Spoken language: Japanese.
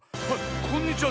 こんにちは